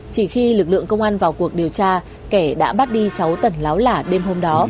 chỉ khi lực lượng công an vào cuộc điều tra kẻ đã bắt đi cháu tẩn láo lả đêm hôm đó